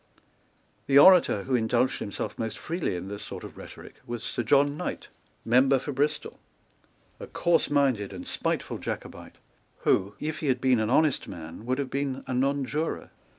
The orator who indulged himself most freely in this sort of rhetoric was Sir John Knight, member for Bristol, a coarseminded and spiteful Jacobite, who, if he had been an honest man, would have been a nonjuror.